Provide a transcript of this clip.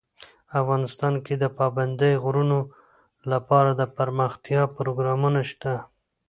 افغانستان کې د پابندي غرونو لپاره دپرمختیا پروګرامونه شته.